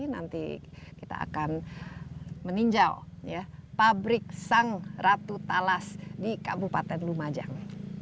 nanti kita akan meninjau pabrik sang ratu talas di kabupaten lumajang